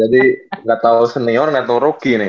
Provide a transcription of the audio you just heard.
jadi nggak tau senior nggak tau rookie nih